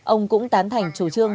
ông cũng tán thành chủ trương